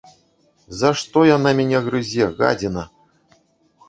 За што яна мяне грызе, гадзіна!